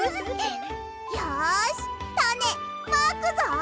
よしタネまくぞ！